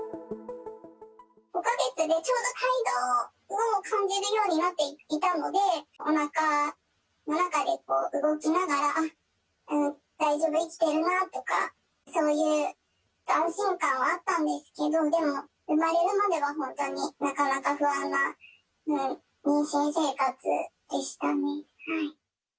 ５か月でちょうど胎動を感じるようになっていたので、おなかの中で動きながら、あっ、大丈夫、生きてるなとか、そういう安心感はあったんですけど、でも産まれるまでは本当になかなか不安な妊娠生活でしたね。